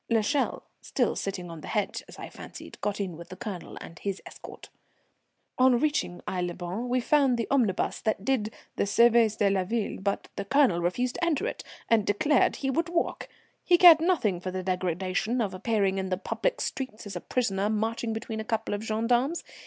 L'Echelle, still sitting on the hedge, as I fancied, got in with the Colonel and his escort. On reaching Aix les Bains, we found the omnibus that did the service de la ville, but the Colonel refused to enter it, and declared he would walk; he cared nothing for the degradation of appearing in the public streets as a prisoner marching between a couple of gendarmes.